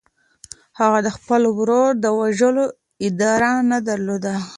هغه د خپل ورور د وژلو اراده نه درلوده.